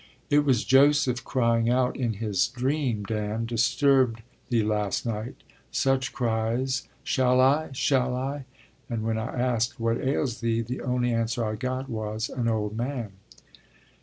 It was Joseph crying out in his dream, Dan, disturbed thee last night: such cries, "Shall I? Shall I?" And when I asked "What ails thee?" the only answer I got was "An old man."